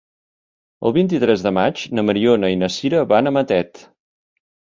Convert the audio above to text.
El vint-i-tres de maig na Mariona i na Sira van a Matet.